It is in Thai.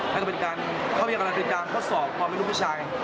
และก็เป็นการเข้าเยี่ยมกับรัฐการณ์เข้าสอบความรู้ผู้ชาย